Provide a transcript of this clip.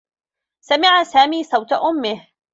سمع سامي صوت أمّه.